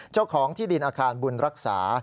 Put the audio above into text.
เจ้าของที่ดินอาคารบุญรักษา